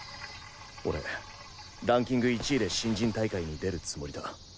俺ランキング１位で新人大会に出るつもりだ。